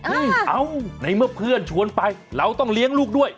นี่เอาในเมื่อเพื่อนชวนไปเราต้องเลี้ยงลูกด้วย